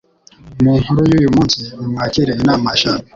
Munkuru y'uyu munsi, nimwakire inama eshanu